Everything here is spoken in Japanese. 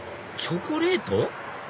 チョコレート？